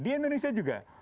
di indonesia juga